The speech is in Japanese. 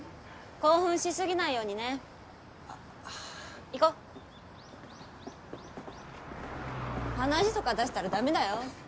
興奮しすぎないようにねあぁ行こう鼻血とか出したらダメだよ？